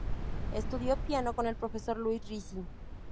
Estudió piano con el profesor Luis Ricci.